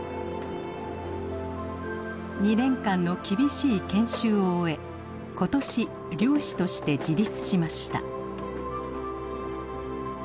２年間の厳しい研修を終え今年漁師として自立しました。